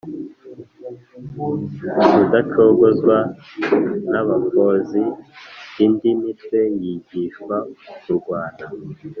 Rudacogozwa n’abafozi indi mitwe yigishwa kurwana,